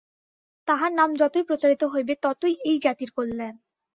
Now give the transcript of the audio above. তাঁহার নাম যতই প্রচারিত হইবে, ততই এই জাতির কল্যাণ।